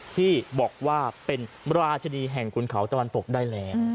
ที่บอกว่าเป็นราชินีแห่งขุนเขาตะวันตกได้แล้ว